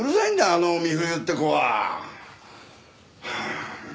あの美冬って子は。